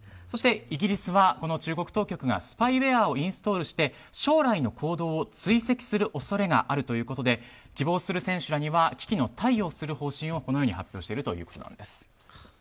そしてイギリスはこの中国当局がスパイウェアをインストールして、将来の行動を追跡する恐れがあるということで希望する選手らには機器の貸与をする方針を発表しているということです。